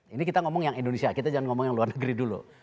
ini kita ngomong yang indonesia kita jangan ngomong yang luar negeri dulu